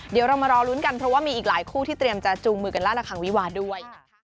เดี๋ยวเรามารอลุ้นกันเพราะว่ามีอีกหลายคู่ที่เตรียมจะจูงมือกันล่าระคังวิวาด้วย